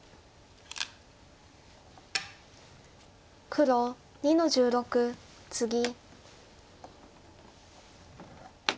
黒２の十六ツギ。